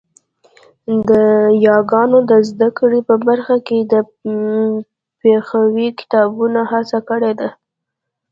د یاګانو د زده کړې په برخه کې د پښويې کتابونو هڅه کړې ده